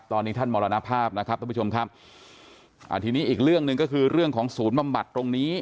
ตอนนี้ท่านมรณภาพนะครับท่านผู้ชมครับอ่าทีนี้อีกเรื่องหนึ่งก็คือเรื่องของศูนย์บำบัดตรงนี้